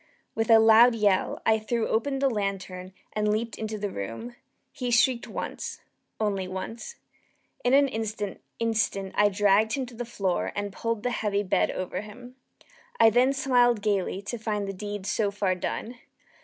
With a loud yell, I threw open the lantern and leaped into the room. He shrieked once once only. In an instant I dragged him to the floor, and pulled the heavy bed over him. I then smiled gaily, to find the deed so far done.